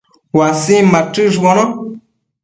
uasin machëshbono